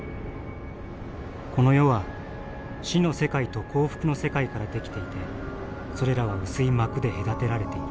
この世は死の世界と幸福の世界から出来ていてそれらは薄い膜で隔てられている。